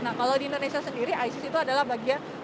nah kalau di indonesia sendiri isis itu adalah bagian